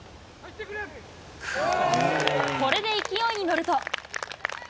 これで勢いに乗ると。